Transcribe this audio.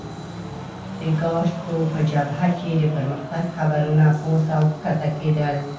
د کارسو په جبهه کې د پرمختګ خبرونه پورته او کښته کېدل.